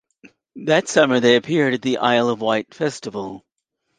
That summer they appeared at the Isle of Wight Festival.